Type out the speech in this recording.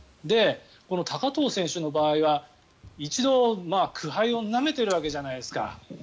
高藤選手の場合は一度、苦杯をなめているわけじゃないですか。